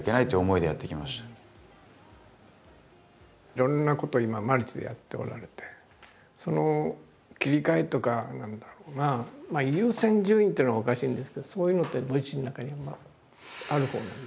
いろんなことを今マルチでやっておられてその切り替えとか何だろうなまあ優先順位っていうのはおかしいんですけどそういうのってご自身の中に今あるほうなんですかね？